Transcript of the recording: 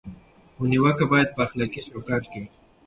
خو نیوکه باید په اخلاقي چوکاټ کې وي.